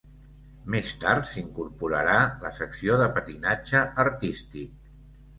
Més tard s'incorporarà la secció de patinatge artístic.